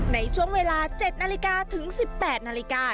ในช่วงเวลา๗นาฬิกาถึง๑๘นาฬิกา